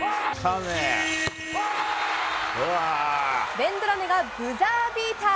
ベンドラメがブザービーター。